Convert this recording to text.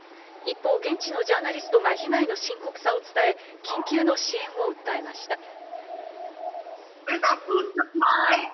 一方、現地のジャーナリストが被害の深刻さを伝え、緊急の支援を訴えました。